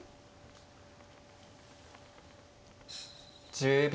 １０秒。